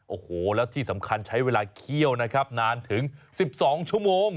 โอ้โหแล้วที่สำคัญใช้เวลาเคี่ยวนะครับนานถึง๑๒ชั่วโมง